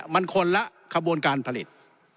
มันคนละขบวนการผลิต